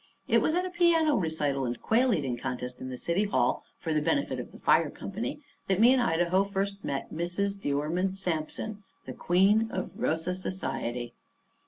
It was at a piano recital and quail eating contest in the city hall, for the benefit of the fire company, that me and Idaho first met Mrs. De Ormond Sampson, the queen of Rosa society.